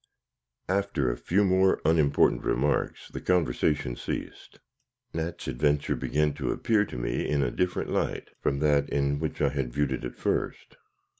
After a few more unimportant remarks, the conversation ceased. Nat's adventure began to appear to me in a different light from that in which I had viewed it at first.